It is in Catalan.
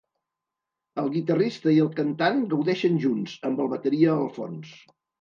El guitarrista i el cantant gaudeixen junts, amb el bateria al fons.